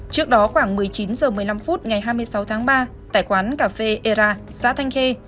trước đó khoảng một mươi chín h một mươi năm phút ngày hai mươi sáu tháng ba tại quán cà phê era xã thanh khê